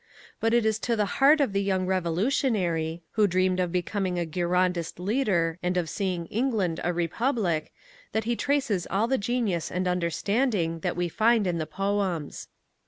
But it is to the heart of the young revolutionary, who dreamed of becoming a Girondist leader and of seeing England a republic, that he traces all the genius and understanding that we find in the poems.